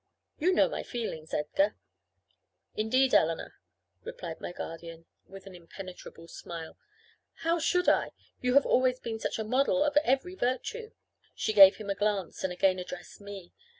You know my feelings, Edgar." "Indeed, Eleanor," replied my guardian, with an impenetrable smile, "how should I? You have always been such a model of every virtue." She gave him a glance, and again addressed me.